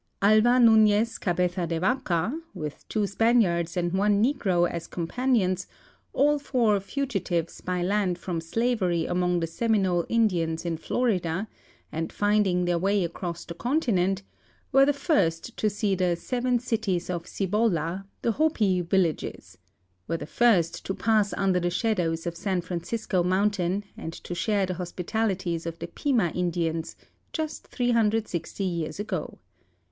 Alva Nunez Cabeza de Vaca, with two Spaniards and one Negro as companions, all four fugitives bj" land from slavery among the Seminole Indians in Florida and finding their way across the continent, were the first to see the " Seven Cities of Cibola," the Hopi villages ; were the first to pass under the shadows of San Francisco mountain and to share the hospitalities of the Pima Indians just 360 years ago.